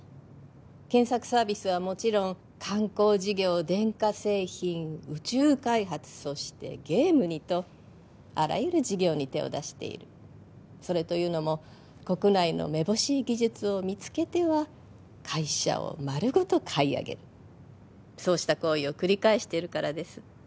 検索サービスはもちろん観光事業電化製品宇宙開発そしてゲームにとあらゆる事業に手を出しているそれというのも国内のめぼしい技術を見つけては会社を丸ごと買い上げるそうした行為を繰り返しているからです